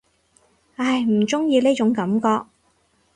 唉，唔中意呢種感覺